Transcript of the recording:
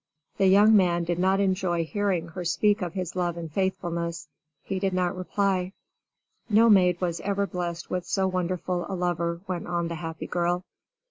The young man did not enjoy hearing her speak of his love and faithfulness. He did not reply. "No maid was ever blessed with so wonderful a lover," went on the happy girl.